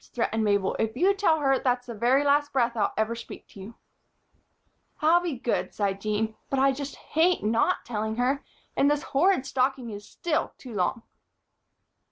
threatened Mabel, "if you tell her, that's the very last breath I'll ever speak to you." "I'll be good," sighed Jean, "but I just hate not telling her. And this horrid stocking is still too long."